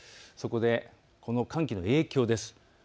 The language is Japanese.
そこで、この寒気の影響です。